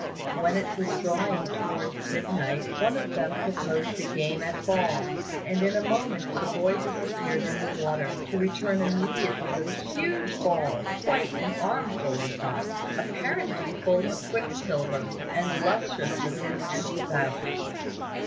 When it was drawing towards midnight, one of them proposed a game at ball; and in a moment the boy disappeared in the water, to return immediately with a huge ball quite an armful in fact apparently full of quicksilver, and lustrous within and without.